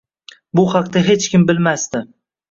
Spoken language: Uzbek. Bu haqda hech kim bilmasdi.